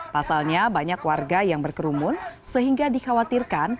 pasalnya banyak warga yang berkerumun sehingga dikhawatirkan